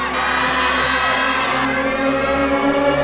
ร้อง